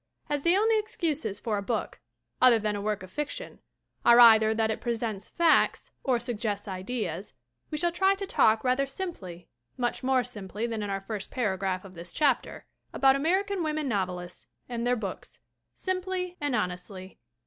As the only excuses for a book other than a work of fiction are either that it presents facts or suggests ideas, we shall try to talk rather simply (much more simply than in our first paragraph of this chapter) about American women novelists and their books simply and honestly.